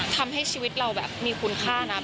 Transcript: ทำให้ชีวิตเราแบบมีคุณค่านะ